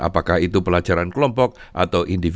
jade hansen dari oswim mengatakan